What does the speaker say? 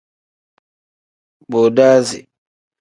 Bodasi.